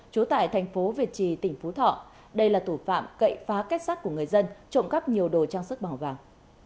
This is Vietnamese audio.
chú tại tp việt trì tỉnh phú thọ đây là thủ phạm cậy phá kết sát của người dân trộm gắp nhiều đồ trang sức bảo vàng